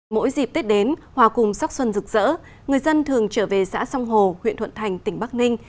mỗi dịp tết đến hòa cùng sắc xuân rực rỡ người dân thường trở về xã sông hồ huyện thuận thành tỉnh bắc ninh